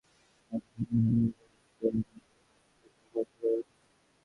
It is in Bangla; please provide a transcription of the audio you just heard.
আচার ঠান্ডা হয়ে গেলে বয়ামে ভরে ভালো করে মুখ বন্ধ করে রাখুন।